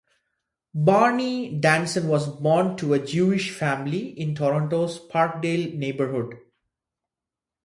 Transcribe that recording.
Barney Danson was born to a Jewish family in Toronto's Parkdale neighbourhood.